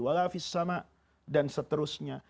wa lafissama dan seterusnya